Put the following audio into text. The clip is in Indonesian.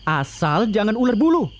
asal jangan ular bulu